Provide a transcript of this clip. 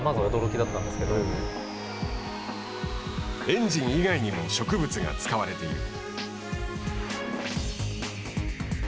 エンジン以外にも植物が使われている。